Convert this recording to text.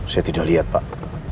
saya tidak lihat pak